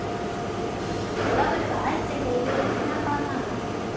トラブルが相次いでいるマイナンバーカード。